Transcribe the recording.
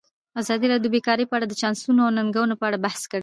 ازادي راډیو د بیکاري په اړه د چانسونو او ننګونو په اړه بحث کړی.